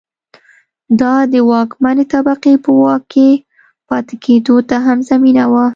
دا د واکمنې طبقې په واک کې پاتې کېدو ته هم زمینه وه.